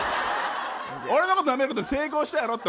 俺のこと、なめることに成功したよなって。